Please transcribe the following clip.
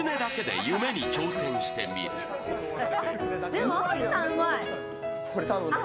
でも、淡路さん、うまい。